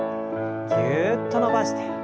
ぎゅっと伸ばして。